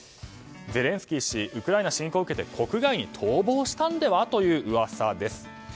ゼレンスキー氏ウクライナ侵攻を受けて国外に逃亡したのではという噂です。